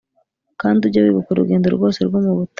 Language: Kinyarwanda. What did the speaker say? “Kandi ujye wibuka urugendo rwose rwo mu butayu